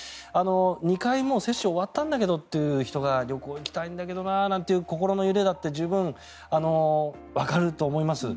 ２回、もう接種終わったんだけどという人が旅行に行きたいんだけどなっていう心の揺れも十分わかると思います。